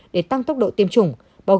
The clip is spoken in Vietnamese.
để tăng tốc độ tiêm chủng